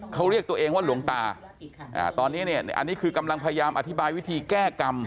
เขาเรียกตัวเองว่าหลวงตาตอนนี้เนี่ยอันนี้คือกำลังพยายามอธิบายวิธีแก้กรรม